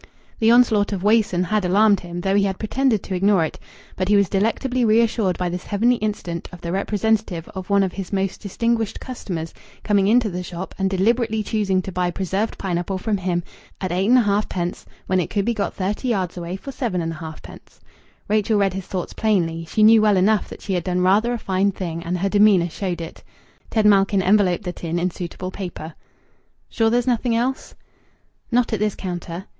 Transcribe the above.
The onslaught of Wason had alarmed him, though he had pretended to ignore it. But he was delectably reassured by this heavenly incident of the representative of one of his most distinguished customers coming into the shop and deliberately choosing to buy preserved pineapple from him at 8 1/2d. when it could be got thirty yards away for 7 1/2d. Rachel read his thoughts plainly. She knew well enough that she had done rather a fine thing, and her demeanour showed it. Ted Malkin enveloped the tin in suitable paper. "Sure there's nothing else?" "Not at this counter."